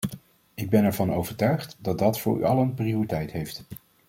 En ik ben ervan overtuigd dat dat voor u allen prioriteit heeft.